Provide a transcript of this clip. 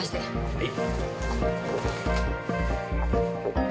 はい。